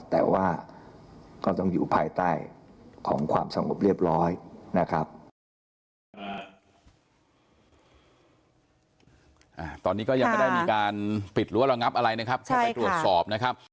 แต่ว่าก็ต้องอยู่ภายใต้ของความสงบเรียบร้อยนะครับ